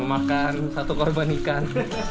makan satu korban ikan